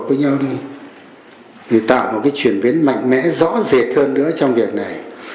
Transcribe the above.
tập trung với nhau đi để tạo một cái chuyển biến mạnh mẽ rõ rệt hơn nữa trong việc này